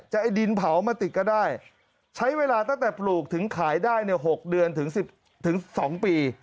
ไอ้ดินเผามาติดก็ได้ใช้เวลาตั้งแต่ปลูกถึงขายได้เนี่ย๖เดือนถึง๑๐๒ปี